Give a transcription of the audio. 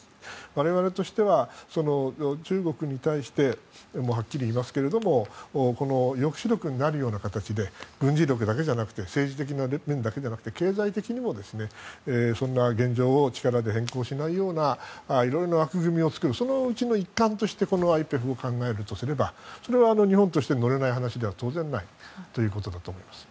我々としては中国に対してはっきり言いますけど抑止力になるような形で軍事力だけじゃなくて政治的な面だけでなくて経済的にもそんな現状を力で変更しないようないろいろな枠組みを作るそのうちの一環としてこのＩＰＥＦを考えるとすればそれは日本として乗れない話では当然ないということだと思います。